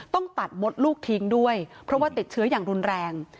ต้องตัดมดลูกทิ้งด้วยเพราะว่าติดเชื้ออย่างรุนแรง